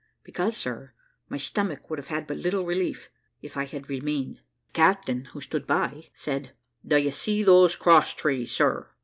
`Because, sir, my stomach would have had but little relief if I had remained.' The captain, who stood by, said, `Do you see those cross trees, sir?'